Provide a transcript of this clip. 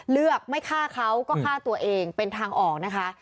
เลือกไม่ฆ่าเขาก็ฆ่าตัวเองเป็นทางออกนะคะ